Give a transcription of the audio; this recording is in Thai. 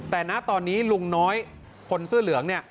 แต่ณตอนนี้ลุงน้อยคนเสื้อเหลืองเนี่ย